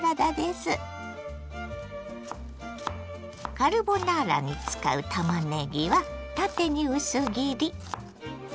カルボナーラに使うたまねぎは縦に薄切り。